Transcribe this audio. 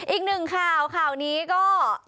อีกหนึ่งข่าวข่าวนี้ก็